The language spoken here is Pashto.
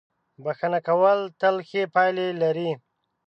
• بښنه کول تل ښې پایلې لري.